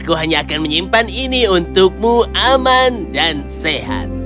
aku hanya akan menyimpan ini untukmu aman dan sehat